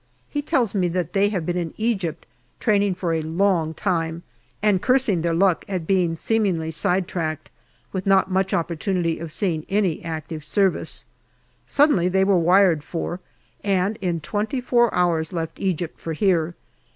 He tells me that they have been in Egypt training for a long time, and cursing their luck at being seemingly side tracked, with not much opportunity of seeing any active service. Suddenly they were wired for, and in twenty four hours left Egypt for here.